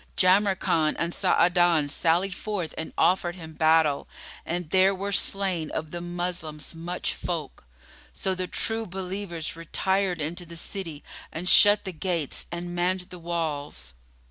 Jamrkan and Sa'adan sallied forth and offered him battle, and there were slain of the Moslems much folk, so the True Believers retired into the city and shut the gates and manned the walls.